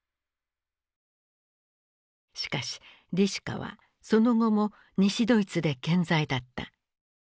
しかしリシュカはその後も西ドイツで健在だった。